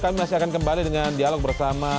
kami masih akan kembali dengan dialog bersama